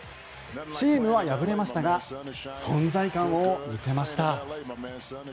チームは敗れましたが存在感を見せました。